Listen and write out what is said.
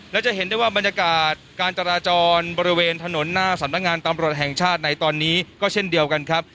และจะเห็นได้ว่าบรรยากาศการจราจรบริเวณถนนหน้าสำนักงานตำรวจแห่งชาติในตอนนี้ก็เช่นเดียวกันครับ